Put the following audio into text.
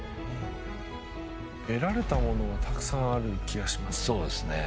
得られたものはたくさんある気がしますね。